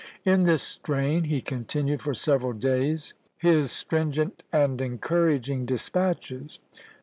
In this strain he continued for several days his stringent and encouraging dispatches.